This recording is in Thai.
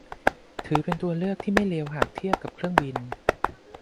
ถือเป็นตัวเลือกที่ไม่เลวหากเทียบกับเครื่องบิน